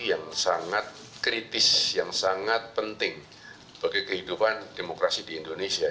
yang sangat kritis yang sangat penting bagi kehidupan demokrasi di indonesia